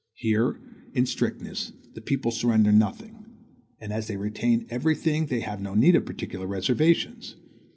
Here, in strictness, the people surrender nothing; and as they retain every thing they have no need of particular reservations.